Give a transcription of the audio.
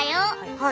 はい。